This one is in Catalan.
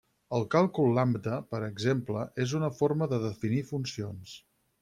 El càlcul lambda, per exemple, és una forma de definir funcions.